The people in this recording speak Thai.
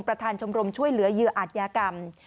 ประธานชมรมช่วยเหลือเยืออาทยากรรม